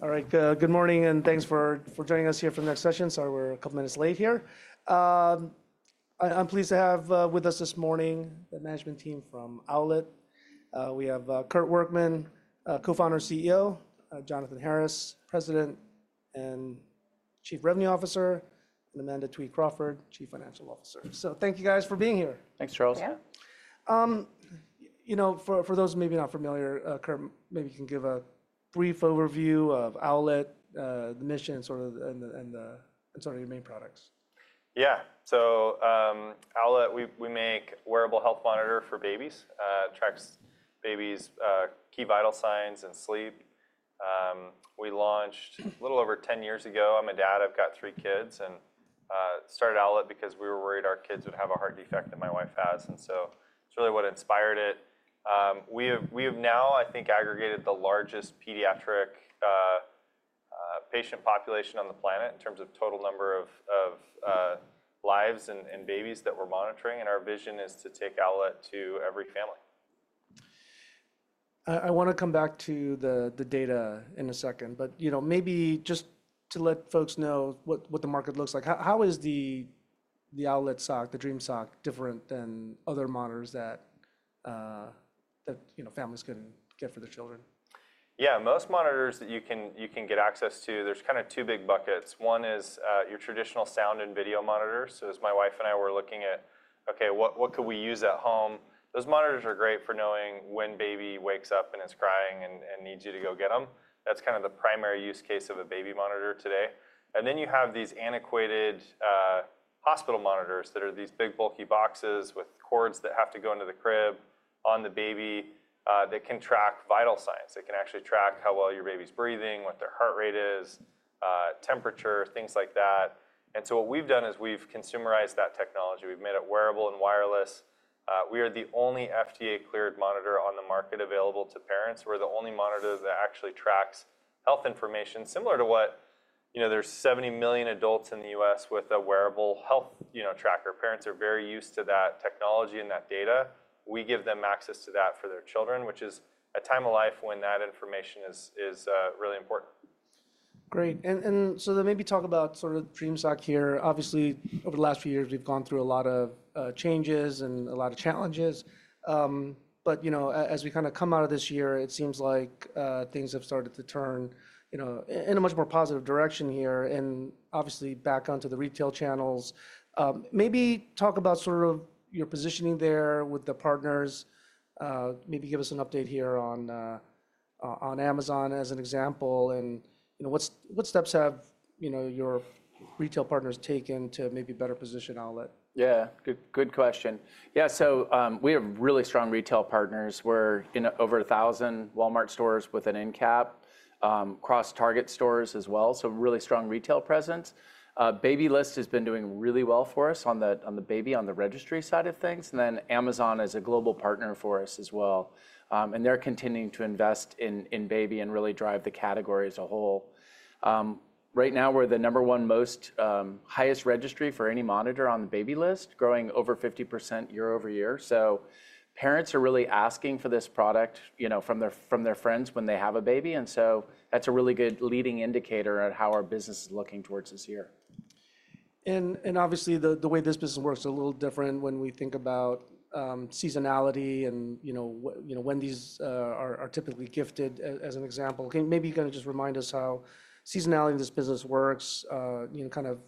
All right, good morning, and thanks for joining us here for the next session. Sorry, we're a couple of minutes late here. I'm pleased to have with us this morning the management team from Owlet. We have Kurt Workman, co-founder and CEO; Jonathan Harris, president and chief revenue officer; and Amanda Twede Crawford, chief financial officer. Thank you, guys, for being here. Thanks, Charles. Yeah. You know, for those who may be not familiar, Kurt, maybe you can give a brief overview of Owlet, the mission, and sort of your main products. Yeah, so Owlet, we make wearable health monitors for babies. It tracks babies' key vital signs and sleep. We launched a little over 10 years ago. I'm a dad. I've got three kids. I started Owlet because we were worried our kids would have a heart defect that my wife has. It's really what inspired it. We have now, I think, aggregated the largest pediatric patient population on the planet in terms of total number of lives and babies that we're monitoring. Our vision is to take Owlet to every family. I want to come back to the data in a second. Maybe just to let folks know what the market looks like, how is the Owlet sock, the Dream Sock, different than other monitors that families can get for their children? Yeah, most monitors that you can get access to, there's kind of two big buckets. One is your traditional sound and video monitors. As my wife and I were looking at, OK, what could we use at home? Those monitors are great for knowing when a baby wakes up and is crying and needs you to go get them. That's kind of the primary use case of a baby monitor today. You have these antiquated hospital monitors that are these big, bulky boxes with cords that have to go into the crib on the baby that can track vital signs. They can actually track how well your baby's breathing, what their heart rate is, temperature, things like that. What we've done is we've consumerized that technology. We've made it wearable and wireless. We are the only FDA-cleared monitor on the market available to parents. We're the only monitor that actually tracks health information, similar to what there's 70 million adults in the U.S. with a wearable health tracker. Parents are very used to that technology and that data. We give them access to that for their children, which is a time of life when that information is really important. Great. Maybe talk about sort of Dream Sock here. Obviously, over the last few years, we've gone through a lot of changes and a lot of challenges. As we kind of come out of this year, it seems like things have started to turn in a much more positive direction here. Obviously, back onto the retail channels, maybe talk about sort of your positioning there with the partners. Maybe give us an update here on Amazon, as an example. What steps have your retail partners taken to maybe better position Owlet? Yeah, good question. Yeah, we have really strong retail partners. We're in over 1,000 Walmart stores with an end cap, across Target stores as well. Really strong retail presence. Babylist has been doing really well for us on the baby, on the registry side of things. Amazon is a global partner for us as well. They're continuing to invest in baby and really drive the category as a whole. Right now, we're the number one most highest registry for any monitor on Babylist, growing over 50% year over year. Parents are really asking for this product from their friends when they have a baby. That's a really good leading indicator on how our business is looking towards this year. Obviously, the way this business works is a little different when we think about seasonality and when these are typically gifted, as an example. Maybe you can just remind us how seasonality in this business works, kind of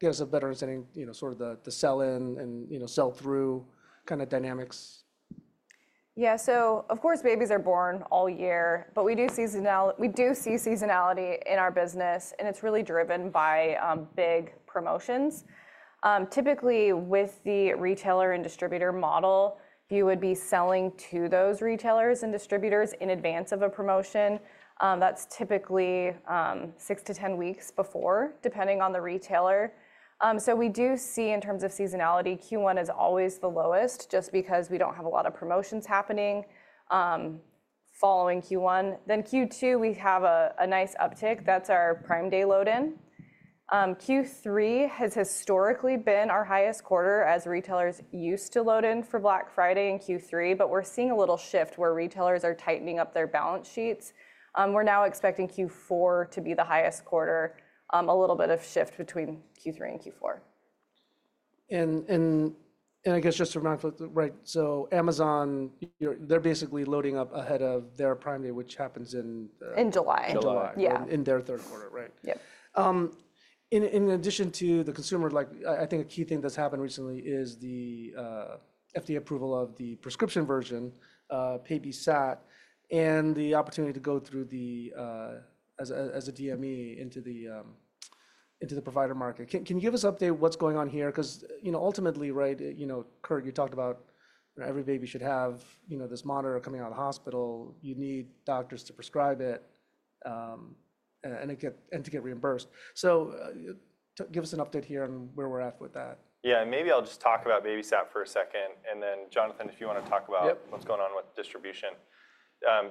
give us a better understanding of sort of the sell-in and sell-through kind of dynamics. Yeah, so of course, babies are born all year. We do see seasonality in our business. It's really driven by big promotions. Typically, with the retailer and distributor model, you would be selling to those retailers and distributors in advance of a promotion. That's typically 6-10 weeks before, depending on the retailer. We do see, in terms of seasonality, Q1 is always the lowest, just because we don't have a lot of promotions happening following Q1. Q2, we have a nice uptick. That's our Prime Day load-in. Q3 has historically been our highest quarter, as retailers used to load in for Black Friday in Q3. We're seeing a little shift where retailers are tightening up their balance sheets. We're now expecting Q4 to be the highest quarter, a little bit of shift between Q3 and Q4. I guess just to round up, right, so Amazon, they're basically loading up ahead of their Prime Day, which happens in. In July. In July. In July. In their third quarter, right? Yep. In addition to the consumer, I think a key thing that's happened recently is the FDA approval of the prescription version, BabySat, and the opportunity to go through the, as a DME, into the provider market. Can you give us an update on what's going on here? Because ultimately, right, Kurt, you talked about every baby should have this monitor coming out of the hospital. You need doctors to prescribe it and to get reimbursed. Give us an update here on where we're at with that. Yeah, maybe I'll just talk about BabySat for a second. Then Jonathan, if you want to talk about what's going on with distribution.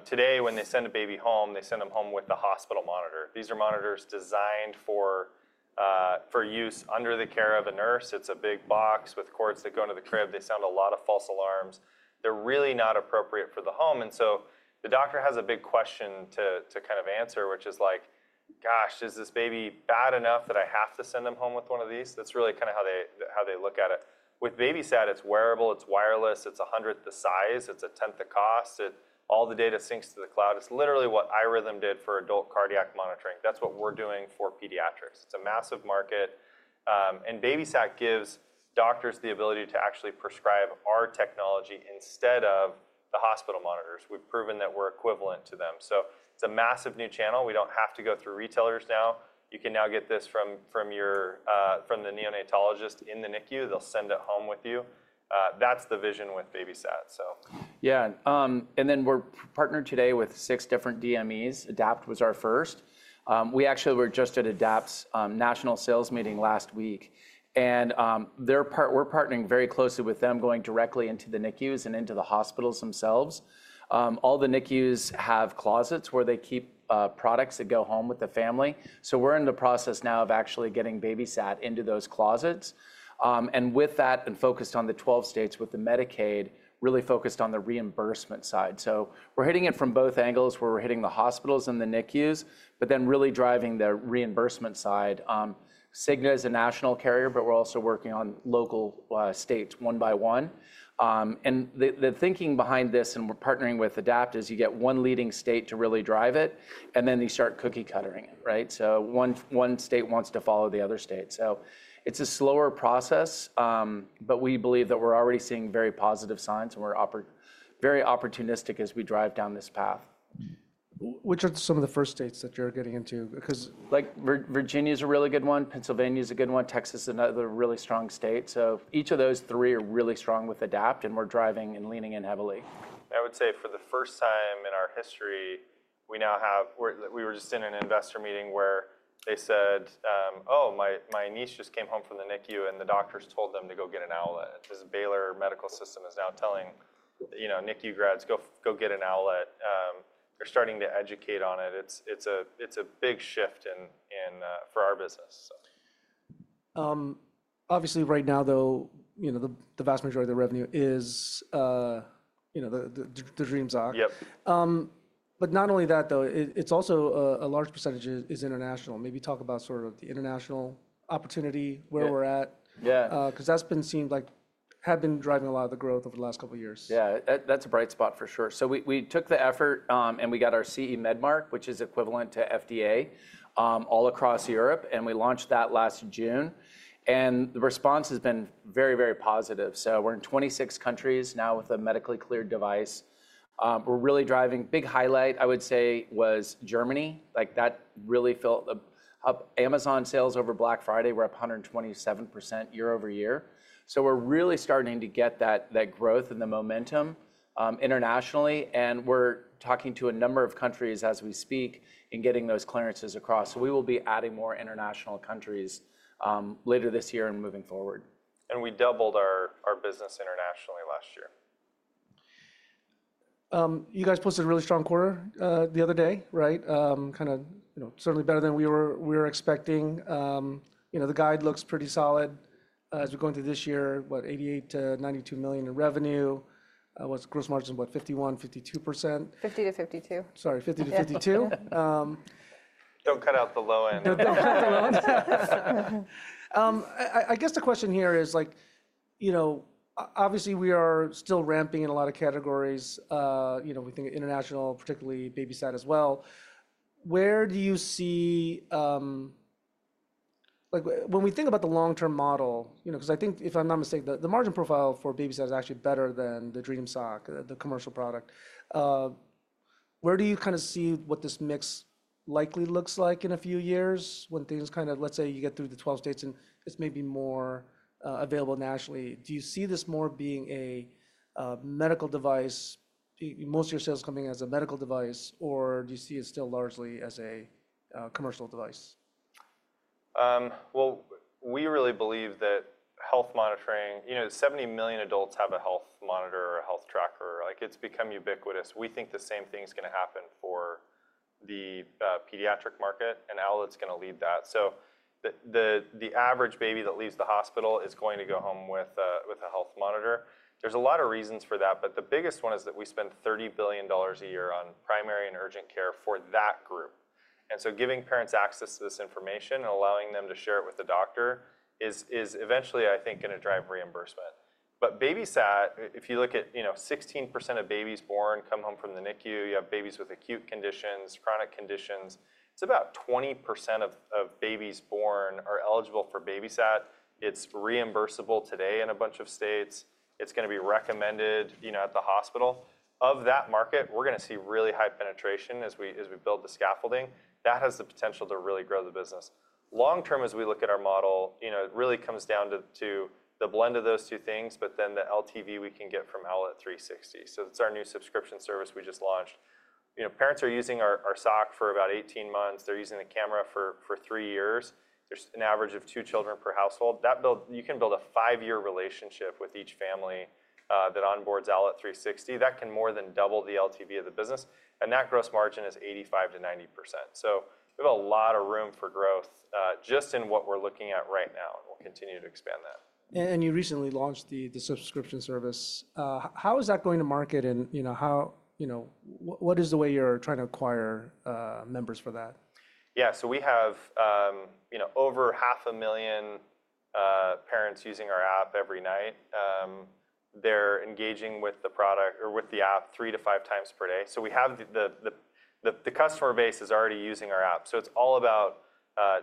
Today, when they send a baby home, they send them home with the hospital monitor. These are monitors designed for use under the care of a nurse. It's a big box with cords that go into the crib. They sound a lot of false alarms. They're really not appropriate for the home. The doctor has a big question to kind of answer, which is like, gosh, is this baby bad enough that I have to send them home with one of these? That's really kind of how they look at it. With BabySat, it's wearable. It's wireless. It's one one-hundredth the size. It's a tenth the cost. All the data syncs to the cloud. It's literally what iRhythm did for adult cardiac monitoring. That's what we're doing for pediatrics. It's a massive market. And BabySat gives doctors the ability to actually prescribe our technology instead of the hospital monitors. We've proven that we're equivalent to them. It's a massive new channel. We don't have to go through retailers now. You can now get this from the neonatologist in the NICU. They'll send it home with you. That's the vision with BabySat, so. Yeah. We are partnered today with six different DMEs. Adapt was our first. We actually were just at Adapt's national sales meeting last week. We are partnering very closely with them, going directly into the NICUs and into the hospitals themselves. All the NICUs have closets where they keep products that go home with the family. We are in the process now of actually getting BabySat into those closets. With that, and focused on the 12 states with the Medicaid, really focused on the reimbursement side. We are hitting it from both angles, where we are hitting the hospitals and the NICUs, but then really driving the reimbursement side. Cigna is a national carrier, but we are also working on local states one by one. The thinking behind this, and we're partnering with AdaptHealth, is you get one leading state to really drive it, and then you start cookie cuttering it, right? One state wants to follow the other state. It is a slower process. We believe that we're already seeing very positive signs. We are very opportunistic as we drive down this path. Which are some of the first states that you're getting into because. Virginia is a really good one. Pennsylvania is a good one. Texas is another really strong state. Each of those three are really strong with Adapt. We're driving and leaning in heavily. I would say for the first time in our history, we now have—we were just in an investor meeting where they said, oh, my niece just came home from the NICU, and the doctors told them to go get an Owlet. This Baylor Health Care System is now telling NICU grads, go get an Owlet. They're starting to educate on it. It's a big shift for our business. Obviously, right now, though, the vast majority of the revenue is the Dream Sock. Yep. Not only that, though, a large percentage is international. Maybe talk about sort of the international opportunity, where we're at. Yeah. Because that's been, like, had been driving a lot of the growth over the last couple of years. Yeah, that's a bright spot, for sure. We took the effort, and we got our CE Mark, which is equivalent to FDA, all across Europe. We launched that last June. The response has been very, very positive. We are in 26 countries now with a medically cleared device. We are really driving. A big highlight, I would say, was Germany. That really helped. Amazon sales over Black Friday were up 127% year over year. We are really starting to get that growth and the momentum internationally. We are talking to a number of countries as we speak and getting those clearances across. We will be adding more international countries later this year and moving forward. We doubled our business internationally last year. You guys posted a really strong quarter the other day, right? Kind of certainly better than we were expecting. The guide looks pretty solid. As we go into this year, what, $88 million-$92 million in revenue. Gross margin is about 51%-52%. 50%-52%. Sorry, 50%-52%. Don't cut out the low end. Don't cut out the low end. I guess the question here is, obviously, we are still ramping in a lot of categories. We think international, particularly BabySat as well. Where do you see when we think about the long-term model, because I think, if I'm not mistaken, the margin profile for BabySat is actually better than the Dream Sock, the commercial product. Where do you kind of see what this mix likely looks like in a few years when things kind of, let's say, you get through the 12 states and it's maybe more available nationally? Do you see this more being a medical device, most of your sales coming as a medical device? Or do you see it still largely as a commercial device? We really believe that health monitoring, 70 million adults have a health monitor or a health tracker. It's become ubiquitous. We think the same thing is going to happen for the pediatric market. Owlet's going to lead that. The average baby that leaves the hospital is going to go home with a health monitor. There's a lot of reasons for that. The biggest one is that we spend $30 billion a year on primary and urgent care for that group. Giving parents access to this information and allowing them to share it with the doctor is eventually, I think, going to drive reimbursement. BabySat, if you look at 16% of babies born come home from the NICU, you have babies with acute conditions, chronic conditions. It's about 20% of babies born are eligible for BabySat. It's reimbursable today in a bunch of states. It's going to be recommended at the hospital. Of that market, we're going to see really high penetration as we build the scaffolding. That has the potential to really grow the business. Long term, as we look at our model, it really comes down to the blend of those two things, but then the LTV we can get from Owlet360. It's our new subscription service we just launched. Parents are using our sock for about 18 months. They're using the camera for three years. There's an average of two children per household. You can build a five-year relationship with each family that onboards Owlet360. That can more than double the LTV of the business. That gross margin is 85%-90%. We have a lot of room for growth just in what we're looking at right now. We'll continue to expand that. You recently launched the subscription service. How is that going to market? What is the way you're trying to acquire members for that? Yeah, we have over 500,000 parents using our app every night. They're engaging with the product or with the app three to five times per day. The customer base is already using our app. It's all about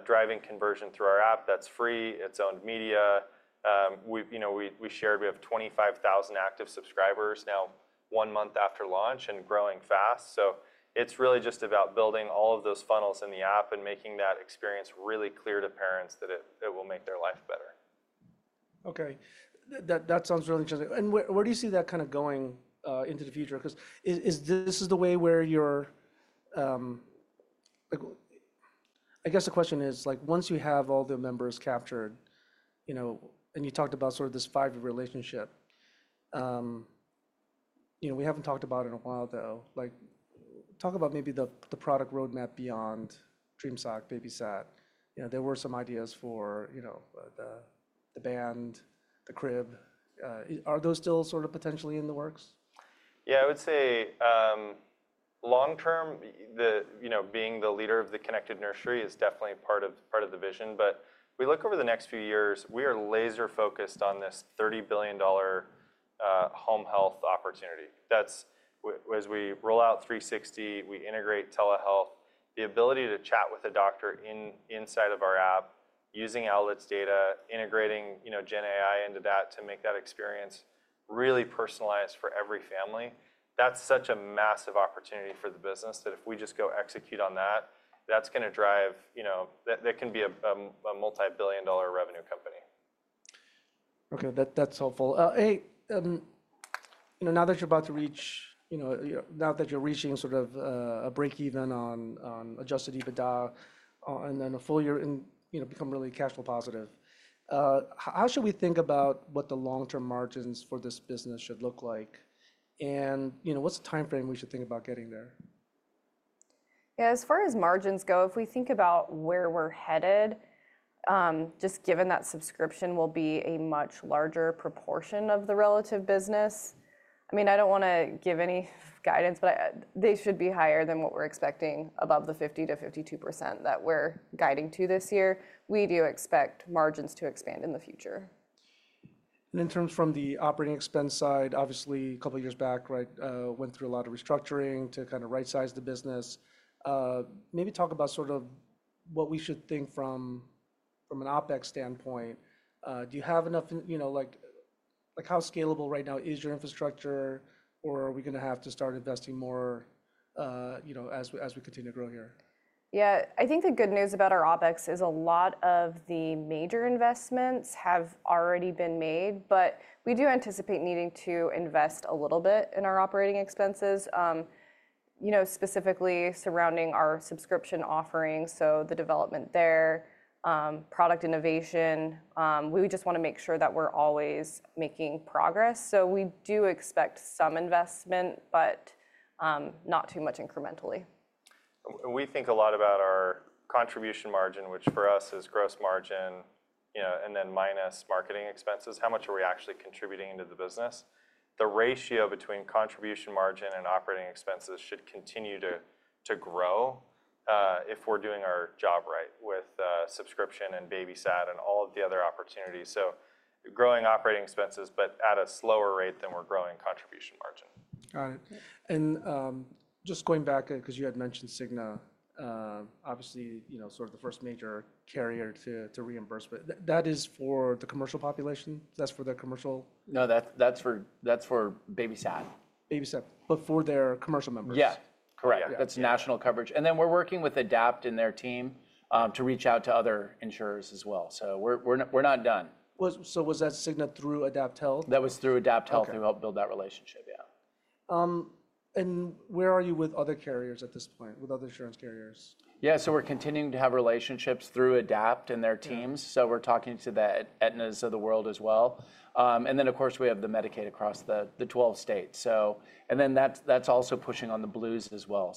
driving conversion through our app. That's free. It's owned media. We shared we have 25,000 active subscribers now, one month after launch, and growing fast. It's really just about building all of those funnels in the app and making that experience really clear to parents that it will make their life better. OK, that sounds really interesting. Where do you see that kind of going into the future? Because is this the way where you're, I guess the question is, once you have all the members captured, and you talked about sort of this five-year relationship, we haven't talked about it in a while, though. Talk about maybe the product roadmap beyond Dream Sock, BabySat. There were some ideas for the band, the crib. Are those still sort of potentially in the works? Yeah, I would say long term, being the leader of the connected nursery is definitely part of the vision. As we look over the next few years, we are laser-focused on this $30 billion home health opportunity. As we roll out 360, we integrate telehealth, the ability to chat with a doctor inside of our app using Owlet's data, integrating GenAI into that to make that experience really personalized for every family. That's such a massive opportunity for the business that if we just go execute on that, that's going to drive, that can be a multi-billion dollar revenue company. OK, that's helpful. Now that you're about to reach, now that you're reaching sort of a break-even on adjusted EBITDA and a full year and become really cash flow positive, how should we think about what the long-term margins for this business should look like? What's the time frame we should think about getting there? Yeah, as far as margins go, if we think about where we're headed, just given that subscription will be a much larger proportion of the relative business, I mean, I don't want to give any guidance, but they should be higher than what we're expecting, above the 50%-52% that we're guiding to this year. We do expect margins to expand in the future. In terms from the operating expense side, obviously, a couple of years back, right, went through a lot of restructuring to kind of right-size the business. Maybe talk about sort of what we should think from an OpEx standpoint. Do you have enough? How scalable right now is your infrastructure? Are we going to have to start investing more as we continue to grow here? Yeah, I think the good news about our OpEx is a lot of the major investments have already been made. We do anticipate needing to invest a little bit in our operating expenses, specifically surrounding our subscription offering, the development there, product innovation. We just want to make sure that we're always making progress. We do expect some investment, but not too much incrementally. We think a lot about our contribution margin, which for us is gross margin, and then minus marketing expenses. How much are we actually contributing into the business? The ratio between contribution margin and operating expenses should continue to grow if we're doing our job right with subscription and BabySat and all of the other opportunities. Growing operating expenses, but at a slower rate than we're growing contribution margin. Got it. Just going back, because you had mentioned Cigna, obviously, sort of the first major carrier to reimburse. That is for the commercial population? That's for the commercial? No, that's for BabySat. BabySat, but for their commercial members? Yeah, correct. That's national coverage. We're working with Adapt and their team to reach out to other insurers as well. We're not done. Was that Cigna through AdaptHealth? That was through AdaptHealth. We helped build that relationship, yeah. Where are you with other carriers at this point, with other insurance carriers? Yeah, so we're continuing to have relationships through Adapt and their teams. We're talking to the Aetnas of the world as well. Of course, we have the Medicaid across the 12 states. That's also pushing on the Blues as well.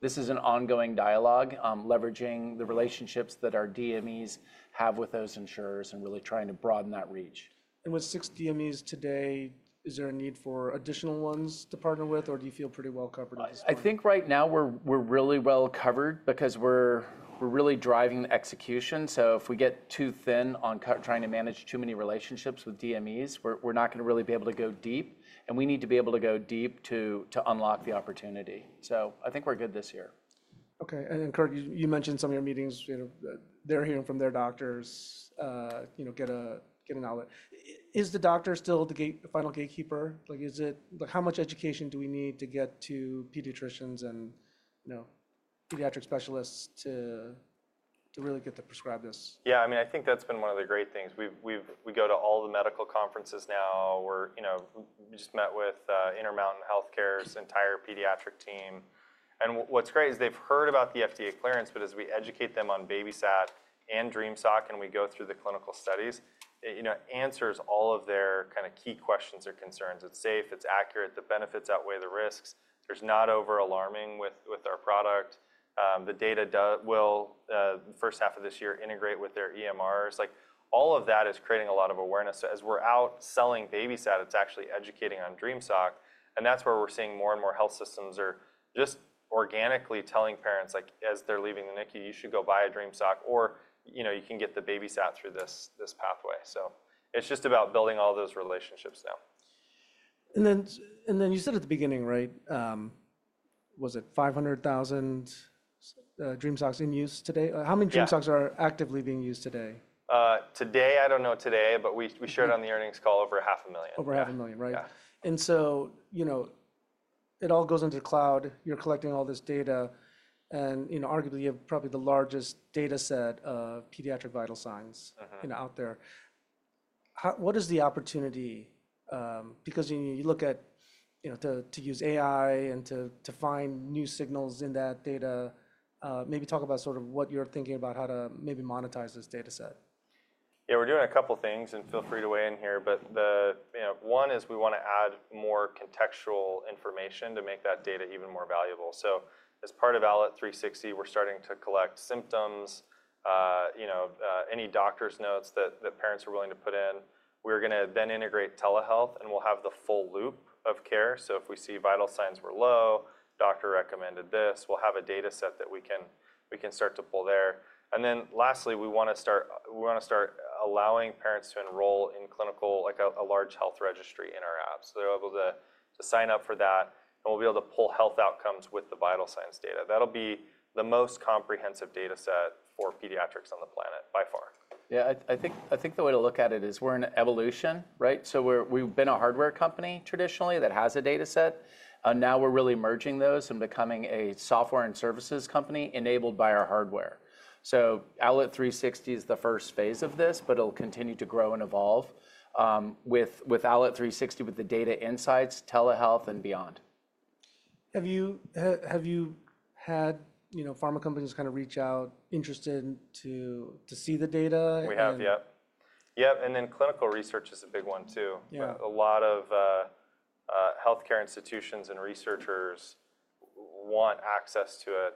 This is an ongoing dialogue, leveraging the relationships that our DMEs have with those insurers and really trying to broaden that reach. With six DMEs today, is there a need for additional ones to partner with? Or do you feel pretty well covered? I think right now we're really well covered because we're really driving execution. If we get too thin on trying to manage too many relationships with DMEs, we're not going to really be able to go deep. We need to be able to go deep to unlock the opportunity. I think we're good this year. OK, and then Kurt, you mentioned some of your meetings. They're hearing from their doctors, get an Owlet. Is the doctor still the final gatekeeper? How much education do we need to get to pediatricians and pediatric specialists to really get to prescribe this? Yeah, I mean, I think that's been one of the great things. We go to all the medical conferences now. We just met with Intermountain Healthcare's entire pediatric team. What's great is they've heard about the FDA clearance. As we educate them on BabySat and Dream Sock, and we go through the clinical studies, it answers all of their kind of key questions or concerns. It's safe. It's accurate. The benefits outweigh the risks. There's not over-alarming with our product. The data will, the first half of this year, integrate with their EMRs. All of that is creating a lot of awareness. As we're out selling BabySat, it's actually educating on Dream Sock. That's where we're seeing more and more health systems are just organically telling parents, as they're leaving the NICU, you should go buy a Dream Sock. Or you can get the BabySat through this pathway. It's just about building all those relationships now. You said at the beginning, right, was it 500,000 Dream Socks in use today? How many Dream Socks are actively being used today? Today, I don't know today, but we shared on the earnings call over 500,000. Over $500,000, right? Yeah. It all goes into the cloud. You're collecting all this data. Arguably, you have probably the largest data set of pediatric vital signs out there. What is the opportunity? You look at to use AI and to find new signals in that data. Maybe talk about sort of what you're thinking about how to maybe monetize this data set. Yeah, we're doing a couple of things. Feel free to weigh in here. One is we want to add more contextual information to make that data even more valuable. As part of Owlet360, we're starting to collect symptoms, any doctor's notes that parents are willing to put in. We're going to integrate telehealth. We'll have the full loop of care. If we see vital signs were low, doctor recommended this, we'll have a data set that we can start to pull there. Lastly, we want to start allowing parents to enroll in clinical, like a large health registry in our app. They're able to sign up for that. We'll be able to pull health outcomes with the vital signs data. That'll be the most comprehensive data set for pediatrics on the planet by far. Yeah, I think the way to look at it is we're in evolution, right? We've been a hardware company traditionally that has a data set. Now we're really merging those and becoming a software and services company enabled by our hardware. Owlet360 is the first phase of this. It'll continue to grow and evolve with Owlet360, with the data insights, telehealth, and beyond. Have you had pharma companies kind of reach out, interested to see the data? We have, yep. Yep, and then clinical research is a big one, too. A lot of health care institutions and researchers want access to it.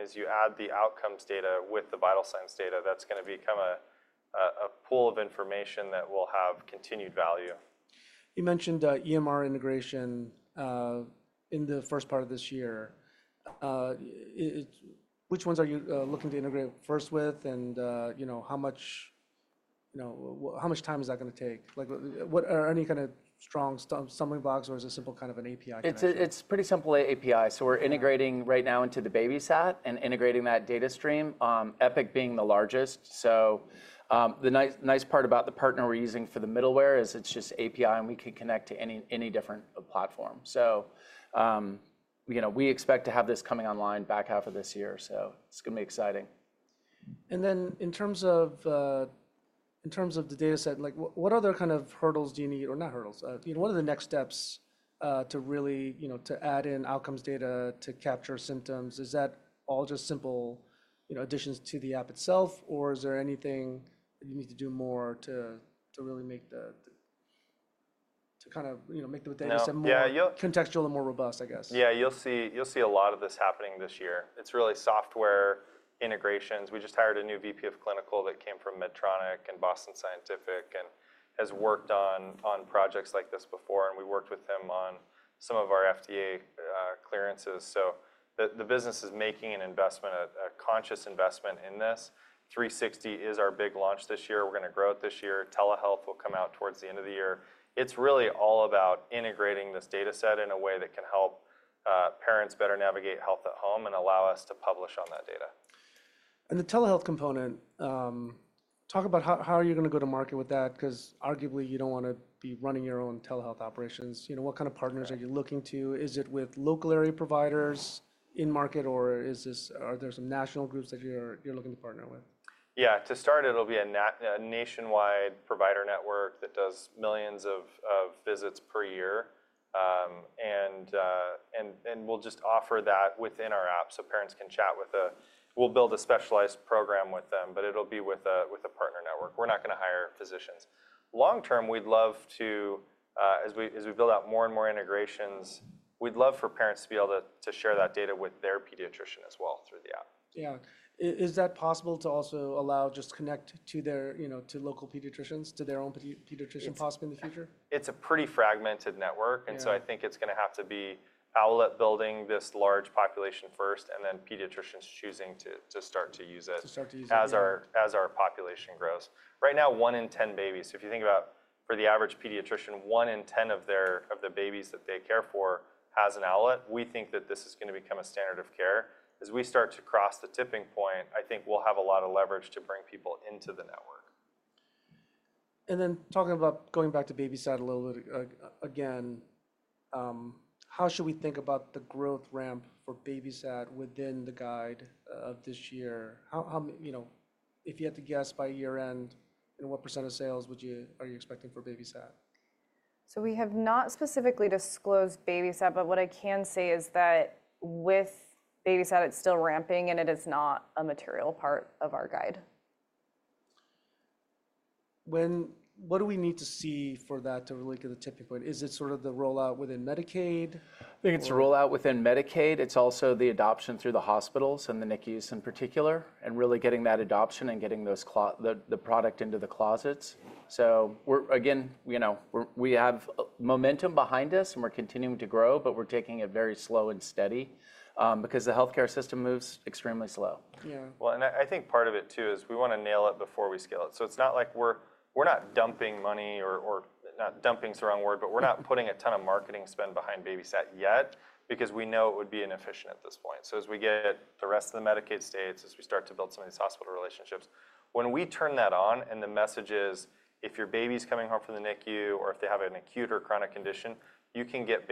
As you add the outcomes data with the vital signs data, that's going to become a pool of information that will have continued value. You mentioned EMR integration in the first part of this year. Which ones are you looking to integrate first with? How much time is that going to take? Are there any kind of strong stumbling blocks? Is it simple, kind of an API? It's a pretty simple API. We're integrating right now into the BabySat and integrating that data stream, Epic being the largest. The nice part about the partner we're using for the middleware is it's just API. We can connect to any different platform. We expect to have this coming online back half of this year. It's going to be exciting. In terms of the data set, what other kind of hurdles do you need? Or not hurdles. What are the next steps to really add in outcomes data to capture symptoms? Is that all just simple additions to the app itself? Or is there anything you need to do more to kind of make the data set more contextual and more robust, I guess? Yeah, you'll see a lot of this happening this year. It's really software integrations. We just hired a new VP of Clinical that came from Medtronic and Boston Scientific and has worked on projects like this before. We worked with him on some of our FDA clearances. The business is making an investment, a conscious investment in this. 360 is our big launch this year. We're going to grow it this year. Telehealth will come out towards the end of the year. It's really all about integrating this data set in a way that can help parents better navigate health at home and allow us to publish on that data. The telehealth component, talk about how are you going to go to market with that? Because arguably, you don't want to be running your own telehealth operations. What kind of partners are you looking to? Is it with local area providers in market? Or are there some national groups that you're looking to partner with? Yeah, to start, it'll be a nationwide provider network that does millions of visits per year. We'll just offer that within our app so parents can chat with a—we'll build a specialized program with them. It'll be with a partner network. We're not going to hire physicians. Long term, we'd love to, as we build out more and more integrations, we'd love for parents to be able to share that data with their pediatrician as well through the app. Yeah, is that possible to also allow just connect to local pediatricians, to their own pediatrician possibly in the future? It's a pretty fragmented network. I think it's going to have to be Owlet building this large population first and then pediatricians choosing to start to use it as our population grows. Right now, 1 in 10 babies. If you think about for the average pediatrician, 1 in 10 of the babies that they care for has an Owlet. We think that this is going to become a standard of care. As we start to cross the tipping point, I think we'll have a lot of leverage to bring people into the network. Talking about going back to BabySat a little bit again, how should we think about the growth ramp for BabySat within the guide of this year? If you had to guess by year end, what % of sales are you expecting for BabySat? We have not specifically disclosed BabySat. What I can say is that with BabySat, it's still ramping. It is not a material part of our guide. What do we need to see for that to really get the tipping point? Is it sort of the rollout within Medicaid? I think it's a rollout within Medicaid. It's also the adoption through the hospitals and the NICUs in particular, and really getting that adoption and getting the product into the closets. We have momentum behind us. We're continuing to grow. We are taking it very slow and steady because the health care system moves extremely slow. I think part of it, too, is we want to nail it before we scale it. It's not like we're not dumping money, or not dumping is the wrong word. We're not putting a ton of marketing spend behind BabySat yet because we know it would be inefficient at this point. As we get the rest of the Medicaid states, as we start to build some of these hospital relationships, when we turn that on and the message is, if your baby's coming home from the NICU or if they have an acute or chronic condition, you can get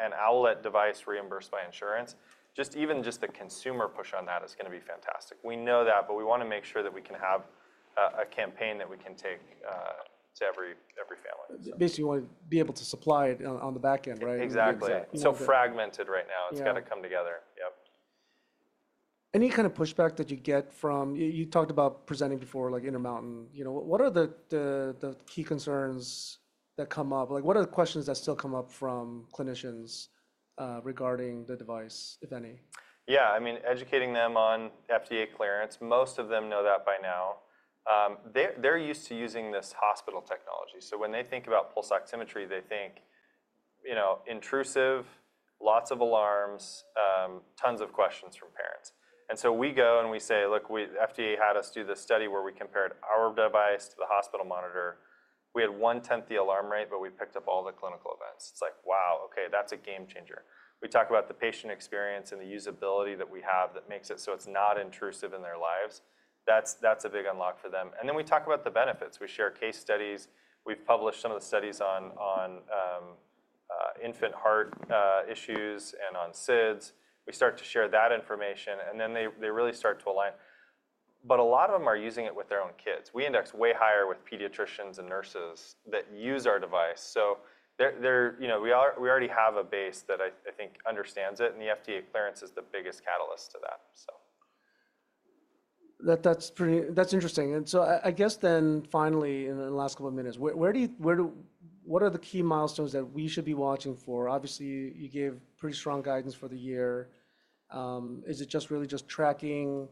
an Owlet device reimbursed by insurance, just even just the consumer push on that is going to be fantastic. We know that. We want to make sure that we can have a campaign that we can take to every family. Basically, you want to be able to supply it on the back end, right? Exactly. So fragmented right now. It's got to come together, yep. Any kind of pushback that you get from you talked about presenting before like Intermountain. What are the key concerns that come up? What are the questions that still come up from clinicians regarding the device, if any? Yeah, I mean, educating them on FDA clearance. Most of them know that by now. They're used to using this hospital technology. When they think about pulse oximetry, they think intrusive, lots of alarms, tons of questions from parents. We go and we say, look, FDA had us do this study where we compared our device to the hospital monitor. We had 1/10 the alarm rate. We picked up all the clinical events. It's like, wow, OK, that's a game changer. We talk about the patient experience and the usability that we have that makes it so it's not intrusive in their lives. That's a big unlock for them. We talk about the benefits. We share case studies. We've published some of the studies on infant heart issues and on SIDS. We start to share that information. They really start to align. A lot of them are using it with their own kids. We index way higher with pediatricians and nurses that use our device. We already have a base that I think understands it. The FDA clearance is the biggest catalyst to that. That's interesting. I guess then finally, in the last couple of minutes, what are the key milestones that we should be watching for? Obviously, you gave pretty strong guidance for the year. Is it just really just tracking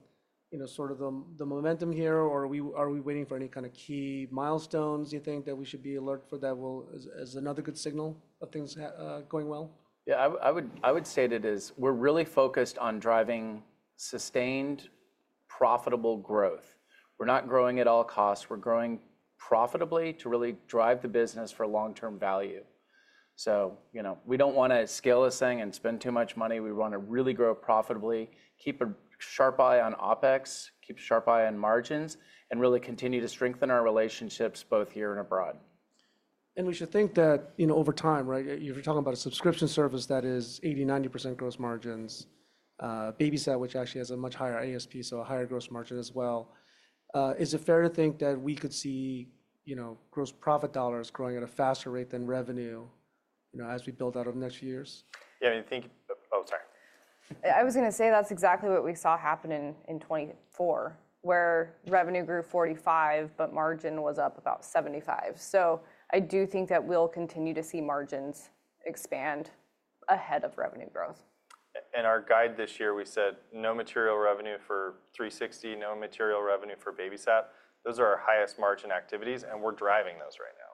sort of the momentum here? Or are we waiting for any kind of key milestones you think that we should be alert for that as another good signal of things going well? Yeah, I would say that we're really focused on driving sustained, profitable growth. We're not growing at all costs. We're growing profitably to really drive the business for long-term value. We don't want to scale this thing and spend too much money. We want to really grow profitably, keep a sharp eye on OpEx, keep a sharp eye on margins, and really continue to strengthen our relationships both here and abroad. We should think that over time, right? If you're talking about a subscription service that is 80%-90% gross margins, BabySat, which actually has a much higher ASP, so a higher gross margin as well, is it fair to think that we could see gross profit dollars growing at a faster rate than revenue as we build out of next years? Yeah, I mean, think—oh, sorry. I was going to say that's exactly what we saw happen in 2024, where revenue grew 45%. Margin was up about 75%. I do think that we'll continue to see margins expand ahead of revenue growth. In our guide this year, we said no material revenue for 360, no material revenue for BabySat. Those are our highest margin activities. We are driving those right now,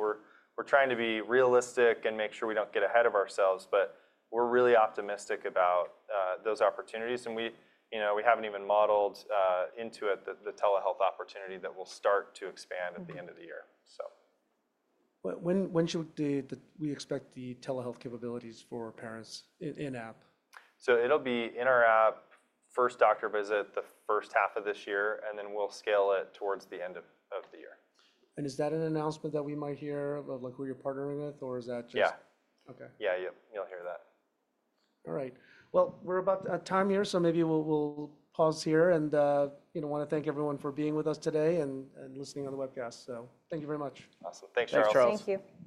right? We are trying to be realistic and make sure we do not get ahead of ourselves. We are really optimistic about those opportunities. We have not even modeled into it the telehealth opportunity that will start to expand at the end of the year. When should we expect the telehealth capabilities for parents in-app? It'll be in our app, first doctor visit the first half of this year. And then we'll scale it towards the end of the year. Is that an announcement that we might hear of who you're partnering with? Or is that just. Yeah. OK. Yeah, you'll hear that. All right. We're about at time here. Maybe we'll pause here and want to thank everyone for being with us today and listening on the webcast. Thank you very much. Awesome. Thanks, Charles. Thank you.